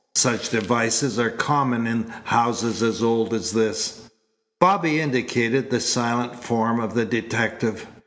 Such devices are common in houses as old as this." Bobby indicated the silent form of the detective.